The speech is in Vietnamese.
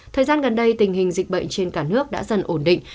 thời gian gần đây tình hình dịch bệnh trên cả nước đã dần ổn định